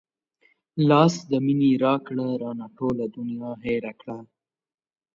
لاس د مينې راکړه رانه ټوله دنيا هېره کړه